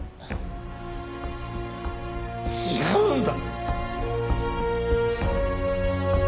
違うんだ。